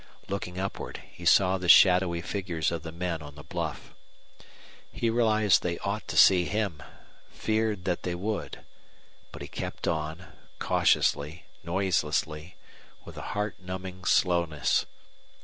Looking upward, he saw the shadowy figures of the men on the bluff. He realized they ought to see him, feared that they would. But he kept on, cautiously, noiselessly, with a heart numbing slowness.